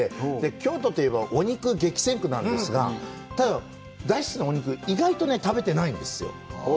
京都といえばお肉激戦区なんですが、大好きなお肉、意外と食べてないんですよ。